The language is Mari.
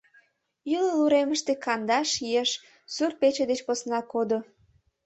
Ӱлыл уремыште кандаш еш сурт-пече деч посна кодо.